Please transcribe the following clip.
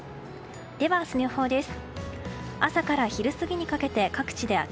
では、明日の予報です。